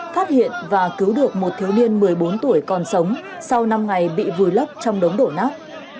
phát hiện và cứu được một thiếu niên một mươi bốn tuổi còn sống sau năm ngày bị vùi lấp trong đống đổ nát